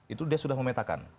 itu dia sudah memetakan